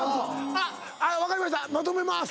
あっ分かりましたまとめます。